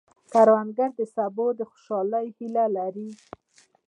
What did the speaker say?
کروندګر د سبو د خوشحالۍ هیله لري